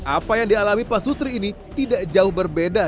apa yang dialami pak sutri ini tidak jauh berbeda